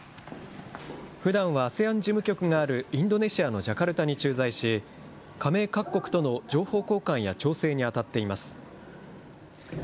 ふだんはＡＳＥＡＮ事務局があるインドネシアのジャカルタに駐在し、加盟各国との情報交換や調整に当たっています。